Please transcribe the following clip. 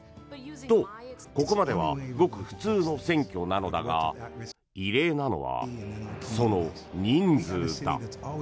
と、ここまではごく普通の選挙なのだが異例なのは、その人数だ。